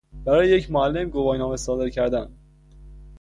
برای یک معلم گواهینامه صادر کردن